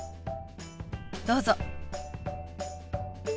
どうぞ。